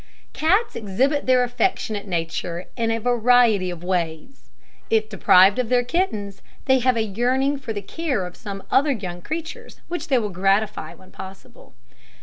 Cats exhibit their affectionate nature in a variety of ways. If deprived of their kittens, they have a yearning for the care of some other young creatures, which they will gratify when possible.